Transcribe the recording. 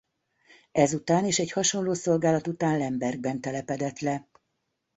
Ezután és egy hasonló szolgálat után Lembergben telepedett le.